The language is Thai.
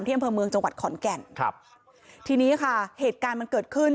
อำเภอเมืองจังหวัดขอนแก่นครับทีนี้ค่ะเหตุการณ์มันเกิดขึ้น